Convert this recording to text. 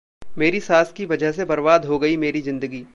'मेरी सास की वजह से बर्बाद हो गई मेरी जिंदगी'